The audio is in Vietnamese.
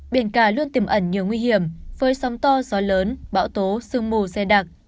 biển cả luôn tìm ẩn nhiều nguy hiểm phơi sóng to gió lớn bão tố sương mù xe đặc